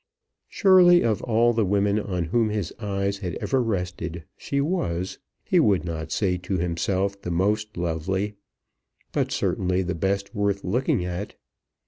Surely of all the women on whom his eyes had ever rested she was, he would not say to himself the most lovely, but certainly the best worth looking at.